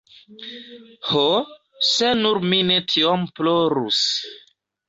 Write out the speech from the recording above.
“Ho, se nur mi ne tiom plorus!”